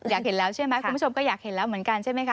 อยากเห็นแล้วใช่ไหมคุณผู้ชมก็อยากเห็นแล้วเหมือนกันใช่ไหมคะ